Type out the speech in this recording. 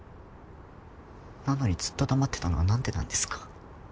なのにずっと黙ってたのはなんでなんですか？